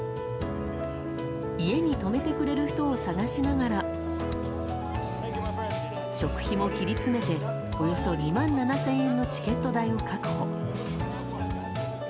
家に泊めてくれる人を探しながら食費も切り詰めておよそ２万７０００円のチケット代を確保。